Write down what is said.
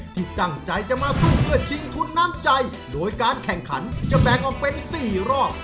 ที่ตั้งใจจะมาสู้เพื่อชิงทุนน้ำใจโดยการแข่งขันจะแบ่งออกเป็น๔รอบ